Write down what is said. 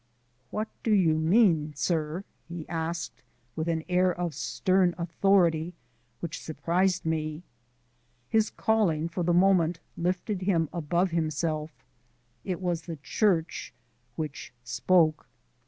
"What do you mean, sir?" he asked with an air of stern authority which surprised me. His calling for the moment lifted him above himself: it was the Church which spoke.